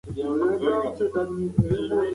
هره ورځ لږ تر لږه یوه نوې پوهه ترلاسه کړه.